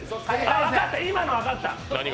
分かった、今の分かった。